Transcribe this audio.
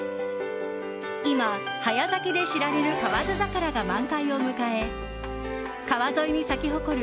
今、早咲きで知られる河津桜が満開を迎え川沿いに咲き誇る